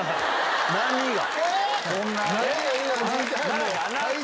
何が？